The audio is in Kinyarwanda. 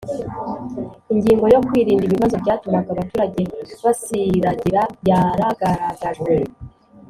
ingingo yo kwirinda ibibazo byatumaga abaturage basiragira yaragaragajwe.